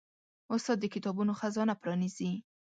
استاد د کتابونو خزانه پرانیزي.